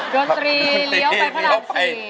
โดตรีเลี้ยวไปพระรามสี่